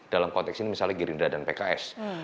dalam konteks ini misalnya gerindra dan pks